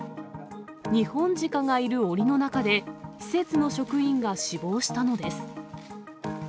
ニホンジカがいるおりの中で、施設の職員が死亡したのです。